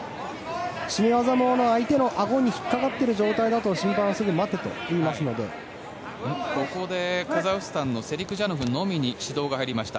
絞め技、相手のあごに引っかかっている状態だとここでカザフスタンのセリクジャノフのみに指導が入りました。